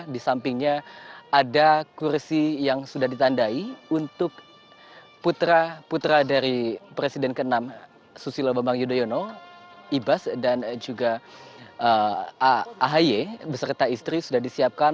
di sampingnya ada kursi yang sudah ditandai untuk putra putra dari presiden ke enam susilo bambang yudhoyono ibas dan juga ahy beserta istri sudah disiapkan